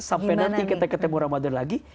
sampai nanti kita ketemu ramadhan lagi